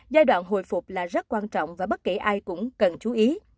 giai đoạn hồi phục là rất quan trọng và bất kể ai cũng cần chú ý